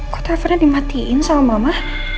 kok covernya dimatiin sama mama